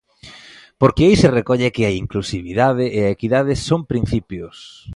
Porque aí se recolle que a inclusividade e a equidade son principios.